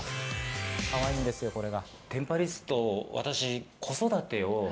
かわいいんですよ、これが。